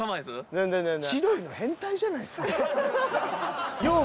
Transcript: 全然全然。